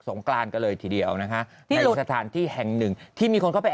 งกรานกันเลยทีเดียวนะคะในสถานที่แห่งหนึ่งที่มีคนเข้าไป